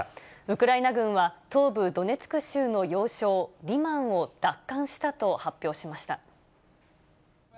ウクライナ軍は、東部ドネツク州の要衝、リマンを奪還したと発表しました。